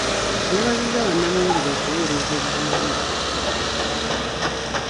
Yeebazizza bannamawulire okuweereza eggwanga.